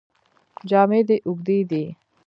جامې دې اوږدې دي.